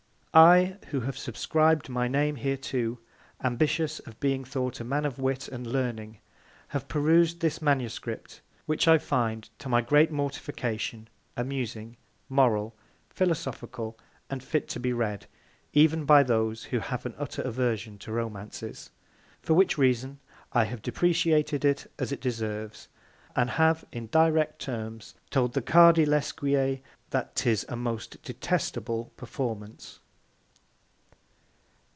I, Who have subscrib'd my Name hereto, ambitious of being thought a Man of Wit and Learning, have perus'd this MANUSCRIPT, which I find, to my great Mortification, amusing, moral, philosophical, and fit to be read, even by those who have an utter Aversion to Romances; for which Reason, I have depretiated it, as it deserves, and have in direct Terms told the CADI LESQUIER, that 'tis a most detestable Performance.